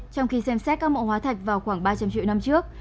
trong khi xem xét các mẫu hóa thạch vào khoảng ba trăm linh triệu năm trước